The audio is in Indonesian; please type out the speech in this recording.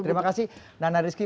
terima kasih nana rizky